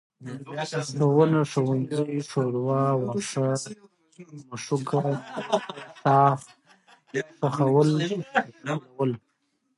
ښوونه، ښوونځی، ښوروا، واښه، مښوکه، مېښه، ښاخ، ښخول، ښکلول